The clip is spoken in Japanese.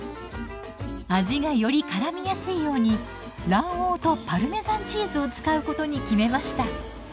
味がよりからみやすいように卵黄とパルメザンチーズを使うことに決めました。